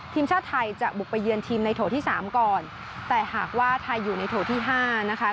ทีมชาติไทยจะบุกไปเยือนทีมในโถที่สามก่อนแต่หากว่าไทยอยู่ในโถที่ห้านะคะ